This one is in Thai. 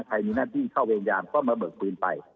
ใครมีหน้าที่เข้าเวรยามก็มาเบิกปืนไป